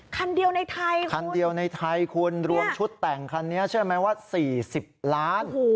คันเดียวในไทยค่ะคันเดียวในไทยคุณรวมชุดแต่งคันนี้เชื่อไหมว่า๔๐ล้าน